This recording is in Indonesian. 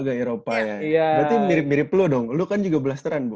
agak eropa ya berarti mirip mirip lu dong lu kan juga blasteran bu